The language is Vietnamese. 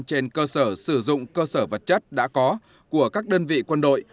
trên cơ sở sử dụng cơ sở vật chất đã có của các đơn vị quân đội